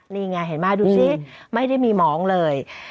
นี่ไงเห็นไหมดูสิไม่ได้มีหมองเลย